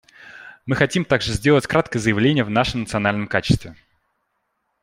Мы хотим также сделать краткое заявление в нашем национальном качестве.